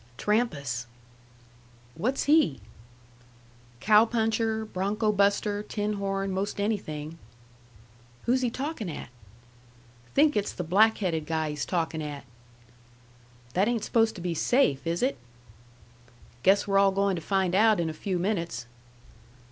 "Trampas." "What's he?" "Cow puncher, bronco buster, tin horn, most anything." "Who's he talkin' at?" "Think it's the black headed guy he's talking at." "That ain't supposed to be safe, is it?" "Guess we're all goin' to find out in a few minutes."